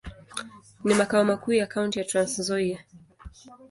Ni makao makuu ya kaunti ya Trans-Nzoia.